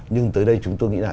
nhưng tới đây chúng tôi nghĩ là